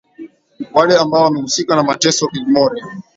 wale ambao wamehusika na mateso Gilmore